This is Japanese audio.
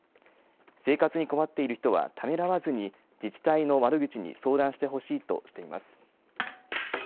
生活に困っている人はためらわずに自治体の窓口に相談してほしいとしています。